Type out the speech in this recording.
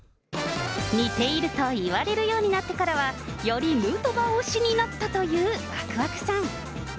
似ているといわれるようになってからは、よりヌートバー推しになったというわくわくさん。